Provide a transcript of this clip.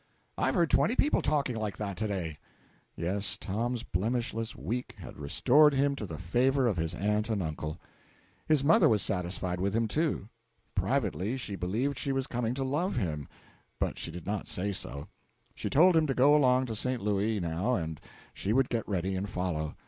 I've heard twenty people talking like that to day." Yes, Tom's blemishless week had restored him to the favor of his aunt and uncle. His mother was satisfied with him, too. Privately, she believed she was coming to love him, but she did not say so. She told him to go along to St. Louis, now, and she would get ready and follow.